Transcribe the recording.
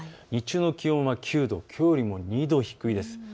日中の気温は９度、きょうよりも２度低いです。